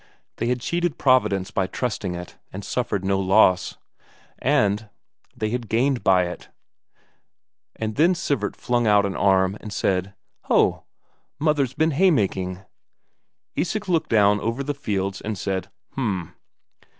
They had cheated providence by trusting it, and suffered no loss; they had gained by it. And then Sivert flung out an arm, and said: "Ho! Mother's been haymaking!" Isak looked down over the fields and said "H'm."